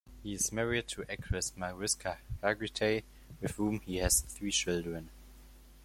He is married to actress Mariska Hargitay, with whom he has three children.